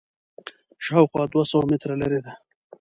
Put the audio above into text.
شاوخوا دوه سوه متره لرې ده.